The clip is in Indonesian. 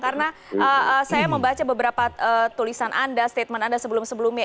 karena saya membaca beberapa tulisan anda statement anda sebelum sebelumnya